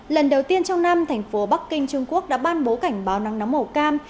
lần đầu tiên trong năm thành phố bắc kinh trung quốc đã ban bố cảnh báo nắng nóng màu cam